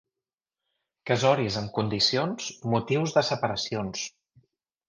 Casoris amb condicions, motius de separacions.